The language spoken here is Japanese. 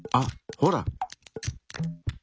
ほら。